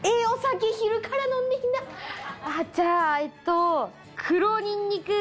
じゃあえっと。